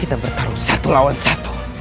kita bertarung satu lawan satu